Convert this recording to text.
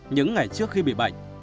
những ngày trước khi bị bệnh